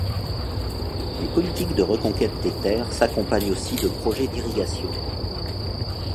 Les politiques de reconquête des terres s'accompagnent aussi de projets d'irrigation.